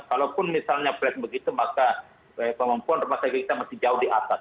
kalaupun misalnya plat begitu maka kemampuan rumah sakit kita masih jauh di atas